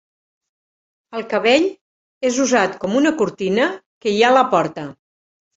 El cabell és usat com una cortina que hi ha a la porta.